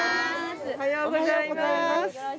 おはようございます。